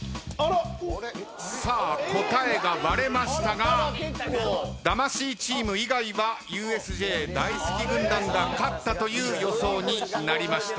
さあ答えが割れましたが魂チーム以外はＵＳＪ大好き軍団が勝ったという予想になりました。